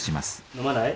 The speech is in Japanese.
飲まない？